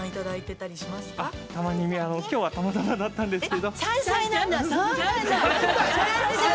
◆たまに、きょうはたまたまだったんですけど。